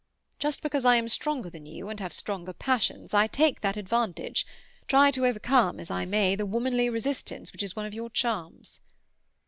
Just because I am stronger than you, and have stronger passions, I take that advantage—try to overcome, as I may, the womanly resistance which is one of your charms."